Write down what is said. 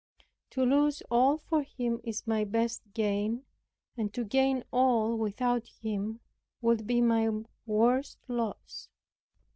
To lose all for Him is my best gain; and to gain all without Him would be my worst loss.